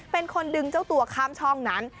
เป็นคนดึงเจ้าตัวข้ามช่องนั้น